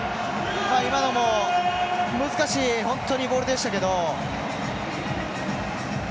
今のも難しい本当にボールでしたけど。